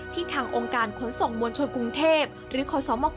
ทางองค์การขนส่งมวลชนกรุงเทพหรือขอสมก